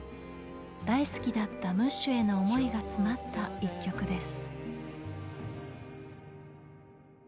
大好きだったムッシュへの思いがつまった一曲です。